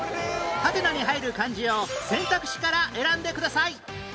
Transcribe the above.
ハテナに入る漢字を選択肢から選んでください